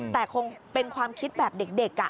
แต่คงเป็นความคิดแบบเด็ก